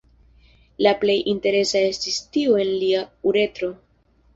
La plej interesa estis tiu en lia uretro.